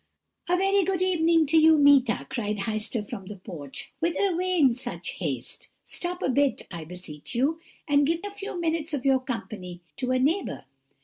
"'A very good evening to you, Meeta,' cried Heister from the porch; 'whither away in such haste? Stop a bit, I beseech you, and give a few minutes of your company to a neighbour.